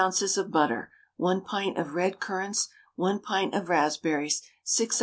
of butter, 1 pint of red currants, 1 pint of raspberries, 6 oz.